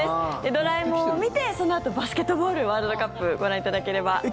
「ドラえもん」を見てそのあとバスケットボールワールドカップご覧いただければと思います。